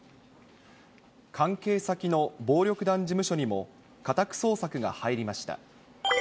関係先の暴力団事務所にも家宅捜索が入りました。